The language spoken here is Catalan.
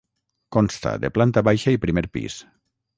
Consta de planta baixa i primer pis.